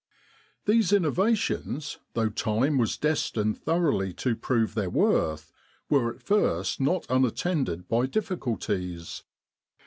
These innovations, though time was destined thoroughly to prove their worth, were at first not unattended by difficulties.